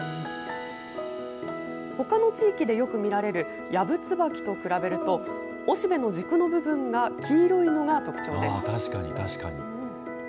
ほかの地域でよく見られるヤブツバキと比べると、おしべの軸の部分が黄色いのが特徴です。